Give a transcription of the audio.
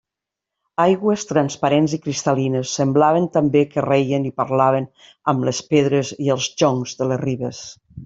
Aigües transparents i cristal·lines semblaven també que reien i parlaven amb les pedres i els joncs de les ribes.